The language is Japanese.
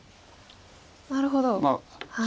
なるほど。